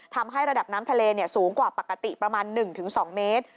ทำให้ระดับน้ำทะเลสูงกว่าปกติประมาณ๑๒เมตร